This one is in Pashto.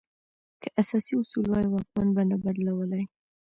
که اساسي اصول وای، واکمن به نه بدلولای.